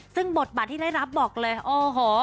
ซึ่งบทบาทที่ได้รับบอกเลยโอ้โห